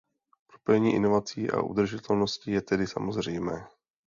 Propojení inovací a udržitelnosti je tedy samozřejmé.